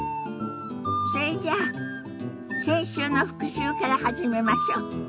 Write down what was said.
それじゃあ先週の復習から始めましょ。